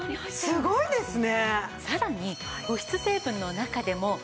すごいですね。